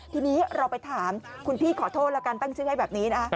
ทีนี้เราไปถามคุณพี่ขอโทษแล้วกันตั้งชื่อให้แบบนี้นะ